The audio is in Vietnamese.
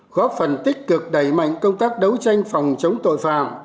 góp phần tích cực đẩy mạnh công tác đấu tranh phòng chống tội phạm